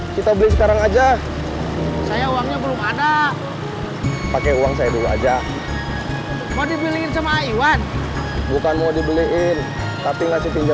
sampai jumpa di video selanjutnya